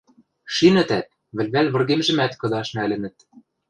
Шинӹтӓт, вӹлвӓл выргемжӹмӓт кыдаш нӓлӹнӹт.